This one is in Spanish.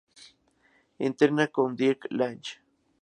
Entrena con Dirk Lange.